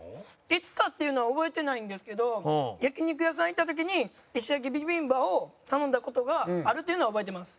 いつかっていうのは覚えてないんですけど焼き肉屋さん行った時に石焼ビビンバを頼んだ事があるというのは覚えてます。